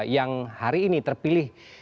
yang hari ini terpilih